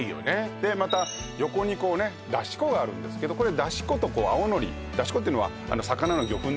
でまた横にこうねだし粉があるんですけどだし粉とこう青のりだし粉は魚の魚粉ですね